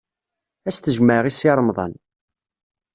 Ad as-t-jemɛeɣ i Si Remḍan.